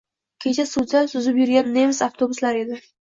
Kecha suvda suzib yurgan nemis avtobuslari edi